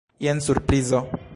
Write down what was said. Jen surprizo!